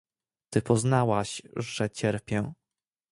"Ty poznałaś, że cierpię."